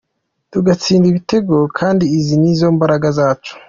Tugatsinda ibitego kandi izi nizo mbaraga zacu.